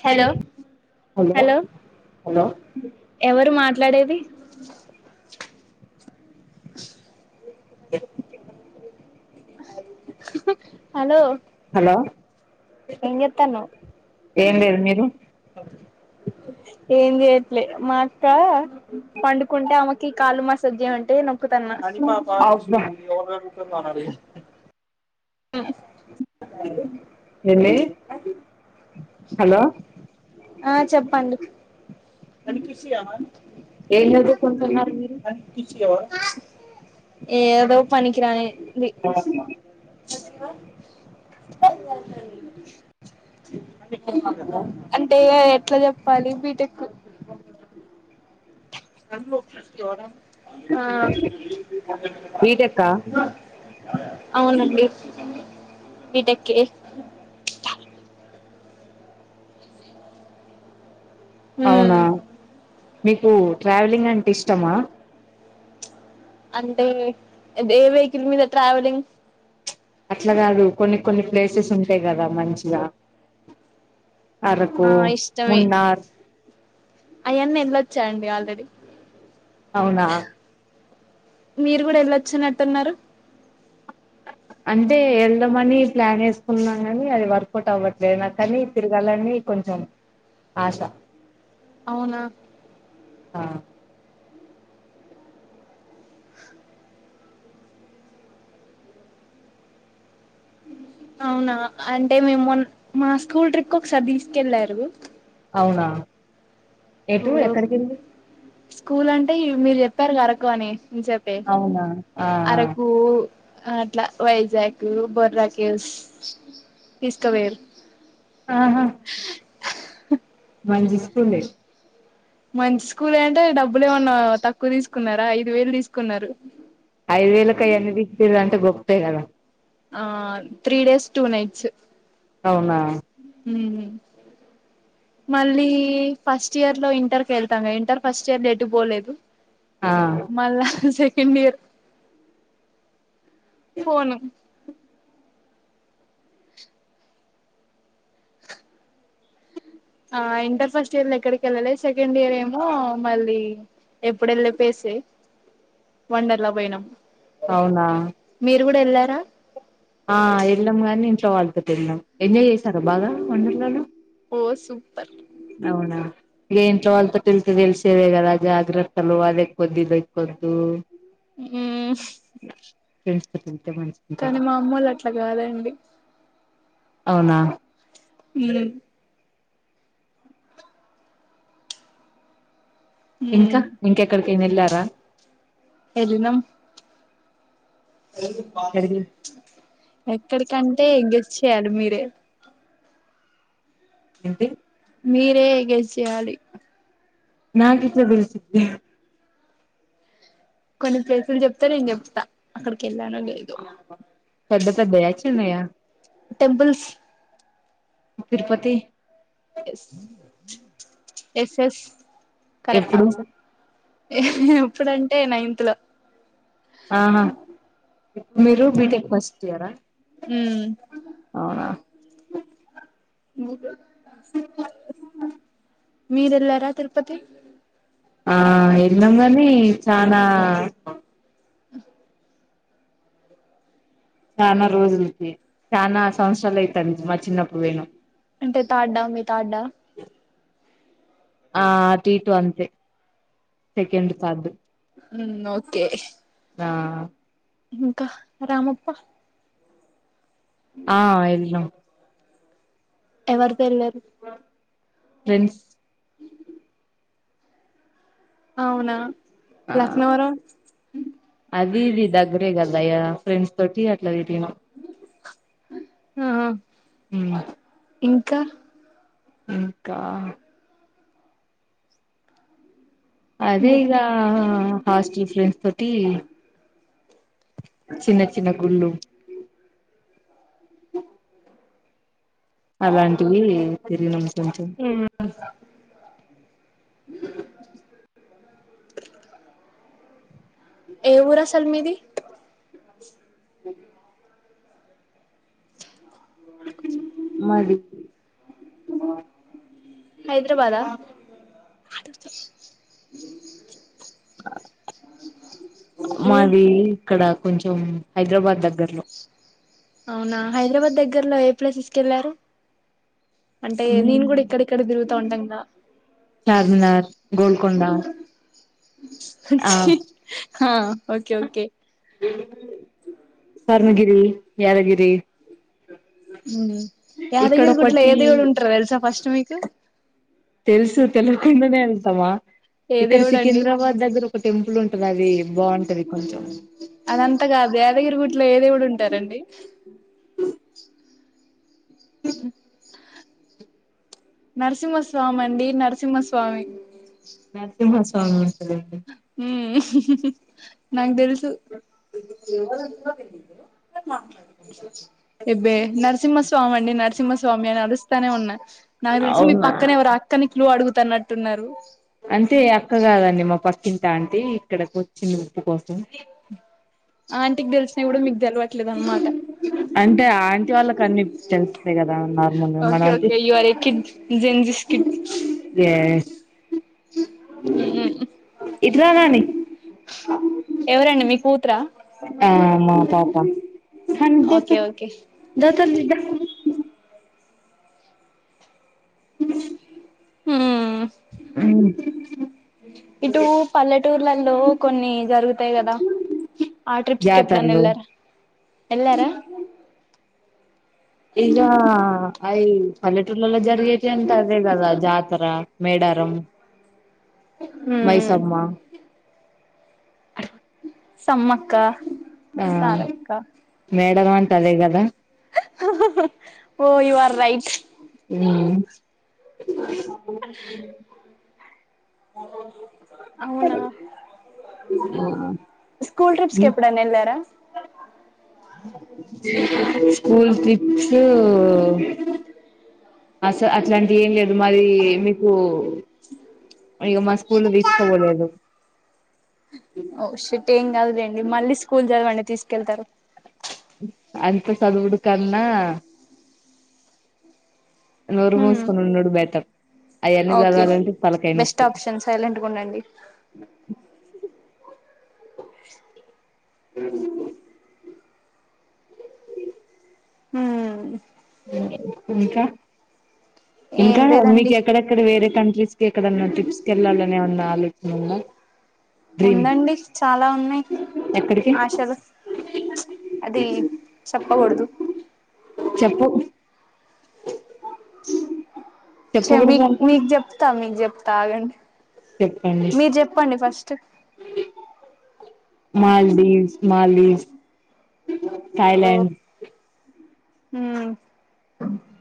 హేలో hello hello hello ఎవరు మాట్లాడేది. య హలో హలో ఎంజేత్తన్నావ్ ఏం లేదు మీరు ఏం జేయట్లే మాఅక్క పండుకుంటే ఆమెక్ కి కాళ్ళు మసాజ్ జేయ్ మంటే నాకు కుతన్న అబ్బా [unintelligible] [unintelligible] ఏందీ హలో ఆ చెప్పండి హానీ కిస్ ఇయ్యవ ఏం చదువుకుంటున్నారు మీరు హానీ కిసస్ ఇయ్యవ ఏదో పనికి రాని ది [inaudible] అంటే ఎట్లా చెప్పాలి బి టెక్కు అన్న ఒక సోడా ఆ బీటెక్కా అవునండి బిటెక్కే అవునా మ్మ్ మీకు ట్రావెలింగ్ అంటే ఇష్టమా అంటే ఏ వెహికల్ మీద ట్రావెలింగ్ అట్లకాదు కొన్ని కొన్ని ప్లేసెస్ ఉంటాయి కదా మంచిగా అరకు ఆ ఇష్టమే మున్నార్ ఆయన్ని వెళ్ళొచ్చా అండి ఆల్రెడీ అవునా మీరు గూడా ఎల్లోచ్చినట్టున్నారు అంటే వెళ్దమని ప్లాన్ వేసుకున్నాం కానీ అది వర్కౌట్ అవ్వట్లేదు నా కానీ తిరగాలని కొంచెం ఆశ అవునా ఆ అవునా అంటే మేము మొన్న మా స్కూల్ ట్రిప్ కు ఒకసారి తీసుకెళ్ళారు అవునా ఎటు ఎక్కడికి వెళ్లి స్కూల్ అంటే మీరు చెప్పారుగ అరకు అని చెప్పే అవునా ఆ అట్లా వైజాగ్ బొర్రాకెవ్స్ తీస్కవోయిర్రు ఆహా మంచి స్కూల్ ఎ మంచి స్కూల్ అంటే డబ్బులు ఏమన్నా తక్కువ తీసుకున్నారా ఐదు వేలు తీసుకున్నారు ఐదు వేలకు ఆయన్ని తిప్పిరంటే గొప్పే కదా ఆహ్ త్రీ డేస్ టూ నైట్స్ ఉ అవునా హు మళ్ళీ ఫస్ట్ ఇయర్ లో ఇంటర్ కి వెళతాగా ఇంటర్ ఫస్ట్ ఇయర్ లో ఎటు పోలేదు ఆ మల్లా సెక్ తిన్నియిర్ ఫోను ఆ ఇంటర్ ఫస్ట్ ఇయర్ లో ఎక్కడికి వెళ్ళలే సెకండ్ ఇయర్ ఏమో మళ్ళీ ఎప్పుడు వెళ్ళే ప్లేసే వండర్లా పోయినాము అవునా అటు కూడా ఎల్లారా ఆ వెళ్ళాం గాని ఇంట్లో వాళ్ళతో వెళ్ళాం ఎంజాయ్ చేసారా బాగా వండర్లాలో ఓ సూపర్ అవునా ఇ ఇంట్లో వాళ్లతో తిరిగితే తెలిసేదే గదా జాగ్రత్తలు అదేకొద్దు ఇదేకొద్దు హ్మ్ తెస్త కానీ మా అమ్మోళ్ళు అట్లా కాదండి అవునా ఉ ఇంకా ఉమ్ ఇంకెక్కడికైనెళ్లారా ఎల్లినం ఎక్కడికి ఎక్కడి కండి తే గెస్ చేయాలి మీరే ఏంటి మీరే గెస్ చెయాలి నా కిట్లా పిలిచి కొన్ని ప్లేసులు చెప్తా నేను చెప్తా అక్కడికి ఏళ్లానో లేదు న్నయ temples Tirupati yes yes yes correct ఎప్పుడు ఆన్సర్ ఎప్పుడంటే నైన్త్ లో ఆహా మీరు బిటెక్ ఫస్ట్ ఇయరా ఉమ్ అవునా మీరెళ్ళారా తిరుపతి ఆ ఎళ్ళాం కానీ చానా చానా రోజులికి చానా సంవత్సరాలు అయితంది మా చిన్నప్పుడు వేయినాం అంటే తాడ్డా మీ తాడ్డా ఆ అటు ఇటు అంతే సెకెండ్ థర్డ్ ఉమ్ ఓకే ఆ ఇంకా రామప్ప ఆ ఏళ్దాం ఎవరి పేరు లే ఫ్రెండ్స్ అవునా ఆ లక్నవరం అది ఇది దగ్గరేగద అయ్యా ఫ్రెండ్స్ తో టి అట్లా పే ఆ ఉమ్ ఇంకా ఇంకా అదే ఈగా హాస్టల్ ఫ్రెండ్స్ తోటి చిన్న చిన్న గుళ్ళు అలాంటివి తిరిగినం కొంచెం ఏ ఊరు అసలు మీది మడి హైదరాబాదా ఏ మాది ఇక్కడా కొంచం హైదరాబాద్ దగ్గర్లో అవునా హైదరాబాద్ దగ్గరలో ఏ ప్లేసెస్కి వెళ్ళారు అంటే నేను కూడా ఇక్కడిక్కడ తిరుగుతా ఉంటాం క చార్మినార్ గోల్కొండ చి హ స్వర్ణ గిరి యాదగిరి ఇక్కడ యాదగిరి గుట్లో ఒకటి ఏది కూడా ఉంటారు వెలుసా ఫస్ట్ మీకు తెలుసు తెలకుండ నే వెళ్తామా ఏ ఇక్కడ దేవుడు అండి సికింద్రాబాద్ దగ్గర ఒక టెంపుల్ ఉం గది బాగుంటది కొంచెం అదంత గాదు గరి యాదగిరి గుట్లో ఏదేవుడు ఉంటారండి నరసింహస్వామిండి నరసింహస్వామి నరసింహస్వామి ఉమ్ నాకు తెలుస్ తు ఇంకా ఎప్పుడో తెలీదు ఎబ్బె నన్ సింహస్వామి అండి నరసింహస్వామి అని అడుస్తానే ఉన్నా నాగు తెలిసి మీ అవునా పక్కనేవరో అక్కని క్లు అడుగు త్తన్నట్టున్నారు అంతే అక్క కాదండి మా పక్ ఇంతా అంటే ఇక్కడకొచ్చి ను పకొస్తాం ఆంటీక్ దెల్స్ సిగుడ మీగ్ దెల్వట్లేదన్ మాట అంటే ఆ ఆంటీ వాళ్ళకి అన్ని తెలుస్తాయి కదా నార్మల్ గా మనం ఒకే అంటే ఒకే you are a kid gen జిస్ kid it రా నాని ఎవరండి మీ కూతుర ఆ మా పాపా ఓకే ఓకే హ్మ్మ్ ఇటు పల్లెటూర్లలో కొన్ని జరుగుతాయి కదా ఆ ట్రిప్స్కిి జాతరలు ఎప్పుడనెల్లారా ఎళ్లారా ఇగా అయి పల్లెటూర్లలో జర్ ఎటంతా అదే గదా జాతర మేడారం మ్మ్ మైసమ్మ సమ్మక్క ఆ సారక్క మెడలంటే అదే గదా ఓ యు ఆర్ రైట్ మ్మ్ కాంబోజు అవునా స్కూల్ ట్రిప్స్ కెప్పుడన్నెల్లారా స్కూల్ తీ నువ్ అస అట్లాంటి ఏం లేదు మరి మీకు ఇగ మా స్కూల్ తీసుకోబోరాదు ఓ షిట్ ఏం గాదులెండి మళ్ళీ స్కూల్ చదవండి. తీసుకెళ్తారు అంత సదువుడు కన్నా నోరు మ్మ్ మూసుకొని ఉండుడు బెటర్ అయన్నీ ఓకే చదవాలి అంటే బెస్ట్ తలకాయనొప్పి ఆప్షన్ సైలెంట్ గా ఉండండి ఏయ్ నువ్వో హ ఇంకా ఏం ఇంకా లేదండి మీకు ఎక్కడెక్కడ వేరే కంట్రీస్ కి ఎక్కడన్నా ట్రిప్స్ కి వెళ్ళాల ఇనేవన్నా ఆలోచన ఉందా డ్రీమ్ ఉందండి చాలా ఉన్నాయి ఎక్కడికి ఆశలు ప్చ్ అది చెప్పకూడదు చెప్పు చ మీ చెప్పకూడదు అంట మీకు చేప్తా మీకు చేప్ తాగండి చెప్పండి మాల్దీవ్స్ మాల్దీవ్స్ థాయ్ ల్యాండ్ హు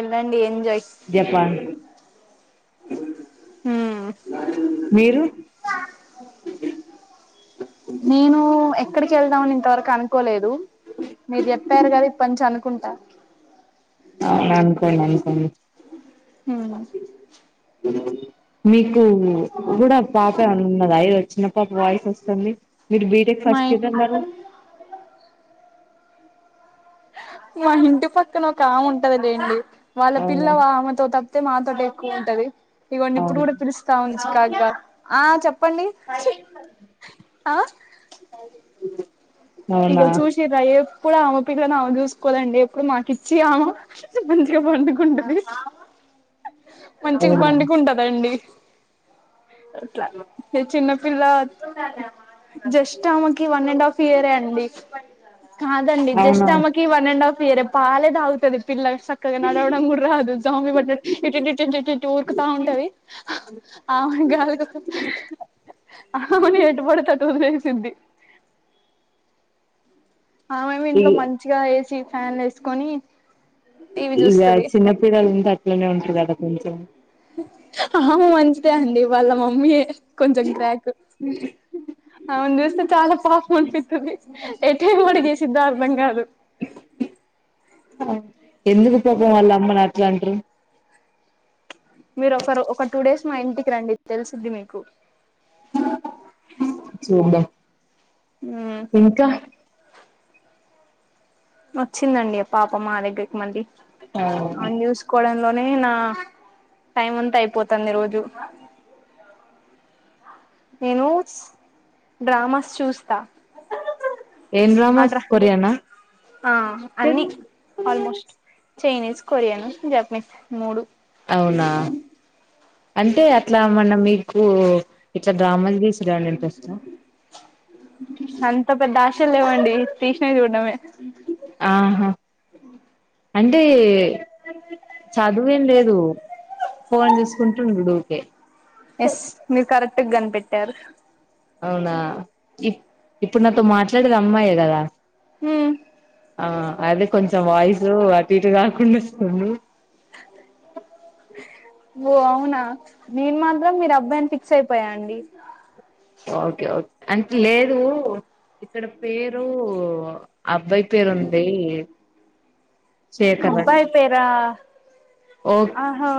ఎల్లండి ఏం జపాన్ హుఅ మీరు నేను ఎక్కడికి వెళ్దామని ఇంతవరకు అనుకోలేదు మీరు చెప్పారు కదా ఇప్పనుంచి అను కుంటా ఆ అనుకోండి అనుకోండి హు నా మీ ను కూడా ఆ పాపే ఉన్నద ఏదో చిన్న పాప వాయిస్ వస్తుంది మీరు బీటెక్ మా ఫస్ట్ ఇయర్ అన్నారు మా ఇంటి పక్ క్కన ఒక ఆమె ఉంటది లేండి వాళ్ళ పిల్ల అవునా ఆమెతో తప్ తే మాతోటే ఎక్కువ ఉంటది ఇగోండి ఇప్పుడు అవును కూడా పిలుస్తా ఉంది చికాకుగా ఆ చెప్పండి ఆ ఇగ అవునా చూసిర్రా ఎప్ ప్పుడు ఆమె పిల్లను ఆమె చూసుకోదండి ఎప్పుడు మాకి చి ఆమ మంచిగా పండుకుంటది మంచిగా అవునా పండుకుంటది అండి అట్లా పిల్లా జస్ట్ ఆమెకి వన్ అండ్ హాఫ్ ఇయర్ ఏ అండి. కాదండి జస్ట్ అవునా ఆమెకి వన్ అండ్ హాఫ్ వేరే పాలేదాగుతది పిల్లగ సక్కగా నడవడం కూడా రాదు జామి పట్టినట్టు ఇట్టిటి-టి-టి-టూ ఊరుకుతా ఉంటది ఆ గా [unintelligible] అవును ఎటు పడుతే అటు [unintelligible] సుద్ధి ఆ మేమో ఇంట్లో ఈ మంచిగా ఏస్ చ్చి ఫ్యాన్ లు వేసుకొని ఇలా చిన్న పిల్లలు ఉంటే అట్లనే ఉంటారు కదా కొంచెం. ఆ మంచిదే అండి వాళ్ళ మమ్మీ కొంచెం క్రాక్ ఆమెను చూస్తే చాలా పాపం అనిపితది ఎటు ఏం అడుగు ఎస్సిదో అర్థం కాదు. ఎందుకు పాపం వాళ్లు అమ్మని అట్లా అంట్రు. మీరు ఒకరు ఒక టూ డేస్ మా ఇంటికి రండి తెలుస్ సిద్ధి మీకు చూద్దాం మ్ ఇంకా వచ్చిందండి ఆ పాప మా దగ్గరకి మళ్ళీ ఆ ఆయన్ని చూస్కోడం లో నేనా టైం అంతా అయిపోతంది రోజూ నేనూ స్ డ్రామాస్ చూస్తా ఏం ఆ డ్రామాస్ డ్రా కొరియన్ ఆ ఆ అన్ని ఆల్మోస్ట్ చైనీస్, కొరియను, జపనీస్ మూడు. అవునా అంటే అట్లా మొన్న మీకు ఇట్లా డ్రామాలు తీసి రాని ఇంట్రెస్ట్ ఆ అస్సల్ లేవండి తీసినవి చూడ్డమే ఆహా అంటే చాల చదువేం లేదు పోన్ చేసుకుంటుండు కె ఎస్ మీరు కరెక్ట్ కనిపెట్టి కట్టారు అవునా ఇప్ ఇప్పుడు నాతో మాట్లాడేది అమ్మాయ కదా ఉమ్మ్ ఆ అదే కొంచెం వాయిసు అటు ఇటు కాకుండా వస్తుంది. కు ఓ అవునా నేను మాత్రం మీరు అబ్బాయిని ఫిక్స్ అయిపోయా అండి ఓకే ఓకే అంటే లేదు ఇక్కడ పేరు అబ్బాయి పేరుంది అబ్బాయి పేరా ఓ ఆహో